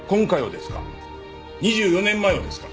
２４年前をですか？